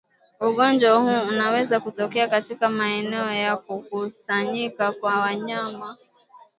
ugonjwa huu unaweza kutokea katika maeneo ya kukusanyika kwa wanyama